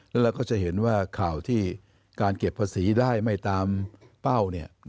แล้วเราก็จะเห็นว่าข่าวที่การเก็บภาษีได้ไม่ตามเป้า